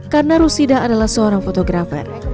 karena rusida adalah seorang fotografer